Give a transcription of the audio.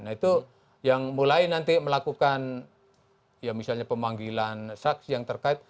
nah itu yang mulai nanti melakukan ya misalnya pemanggilan saksi yang terkait